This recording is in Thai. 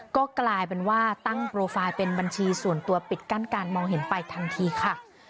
ก็กลายเป็นว่าตั้งโปรไฟล์เป็นบัญชีส่วนตัวปิดกั้นการมองเห็นไปทันทีค่ะ